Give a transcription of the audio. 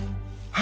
は？